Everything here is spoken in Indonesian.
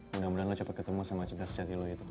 mudah mudahan lo cepat ketemu sama cinta sejati lo gitu